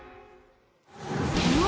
うわ！